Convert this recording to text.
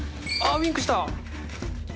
ウインクした！